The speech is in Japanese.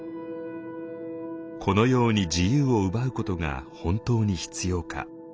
このように自由を奪うことが本当に必要か。